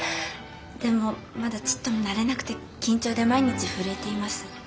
でもまだちっとも慣れなくて緊張で毎日震えています。